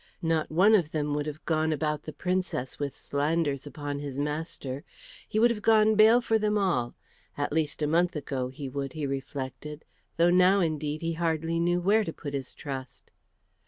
Not one of them would have gone about the Princess with slanders upon his master; he would have gone bail for them all, at least, a month ago he would, he reflected, though now indeed he hardly knew where to put his trust.